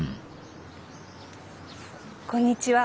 こんにちは。